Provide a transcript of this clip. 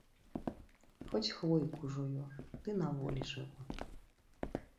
Хоць хвойку жую, ды на волі жыву